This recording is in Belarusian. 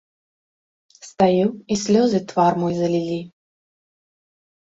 Стаю, і слёзы твар мой залілі.